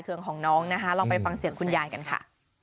เครื่องของน้องนะคะลองไปฟังเสียงคุณยายกันค่ะ